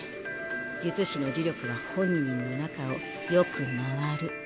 術師の呪力は本人の中をよく廻る。